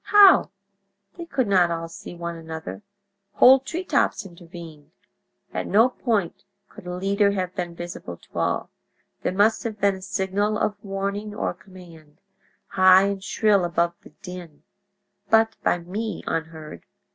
How? They could not all see one another—whole treetops intervened. At no point could a leader have been visible to all. There must have been a signal of warning or command, high and shrill above the din, but by me unheard.